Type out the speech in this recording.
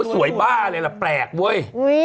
สวยบ้าเลยล่ะแปลกเว้ย